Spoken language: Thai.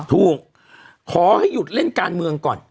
ขอให้หยุดเล่นการเมืองก่อน